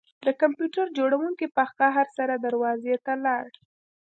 د کمپیوټر جوړونکي په قهر سره دروازې ته لاړ